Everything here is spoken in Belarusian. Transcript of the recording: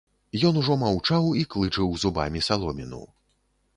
Ён ужо маўчаў і клычыў зубамі саломіну.